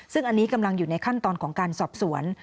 ซึ่งอันนี้กำลังอยู่ในขั้นตอนของการสอบสวน